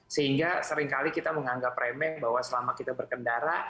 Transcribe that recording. sehingga seringkali kita menganggap remeh bahwa selama kita berkendara